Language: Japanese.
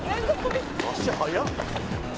「足速っ！」